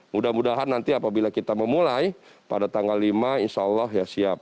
mudah mudahan nanti apabila kita memulai pada tanggal lima insya allah ya siap